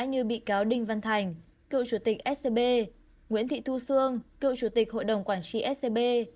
như bị cáo đinh văn thành cựu chủ tịch scb nguyễn thị thu sương cựu chủ tịch hội đồng quản trị scb